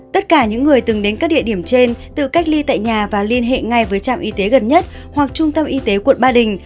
tất cả những người từng đến các địa điểm trên tự cách ly tại nhà và liên hệ ngay với trạm y tế gần nhất hoặc trung tâm y tế quận ba đình